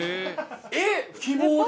えっ「希望」で。